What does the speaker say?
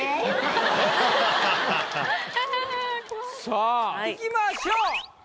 さあいきましょう。